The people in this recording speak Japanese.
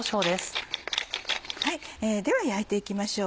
では焼いて行きましょう。